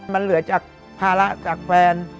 มันเหลือจากภาระจากแฟน